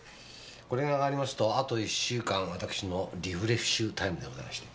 これがあがりますとあと１週間私のリフレッシュタイムでございまして。